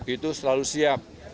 itu selalu siap